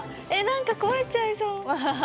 何か壊しちゃいそう。